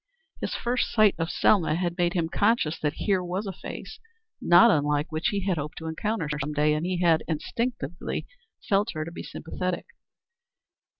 His first sight of Selma had made him conscious that here was a face not unlike what he had hoped to encounter some day, and he had instinctively felt her to be sympathetic.